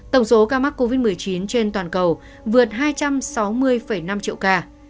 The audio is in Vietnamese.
tổng số ca mắc covid một mươi chín trên toàn cầu vượt hai trăm sáu mươi năm triệu ca